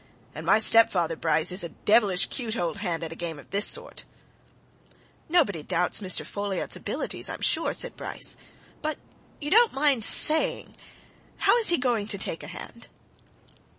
And my stepfather, Bryce, is a devilish cute old hand at a game of this sort!" "Nobody doubts Mr. Folliot's abilities, I'm sure," said Bryce. "But you don't mind saying how is he going to take a hand?"